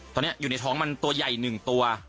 ตอนนี้อยู่ในท้องมันตัวใหญ่๑ตัว